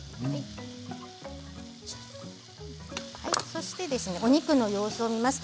そして、お肉の様子を見ます。